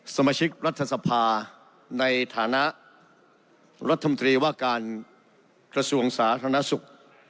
สมาชิกรัฐสภาในฐานะรัฐมนตรีว่าการกระทรวงสาธารณสุข